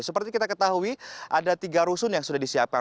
seperti kita ketahui ada tiga rusun yang sudah disiapkan